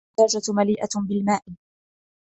الزّجاجة مليئة بالماء.